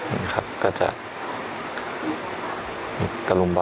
อันนี้ครับก็จะกระลุมบอนอีกแป๊บหนึ่งครับ